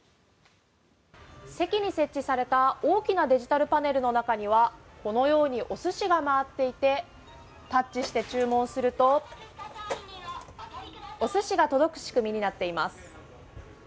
席に設置された大きなデジタルパネルの中にはこのようにお寿司が回っていてタッチして注文するとお寿司が届く仕組みになっています。